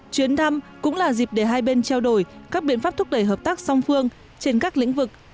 chuyến thăm cũng là dịp để hai bên trao đổi các biện pháp thúc đẩy hợp tác song phương trên các lĩnh vực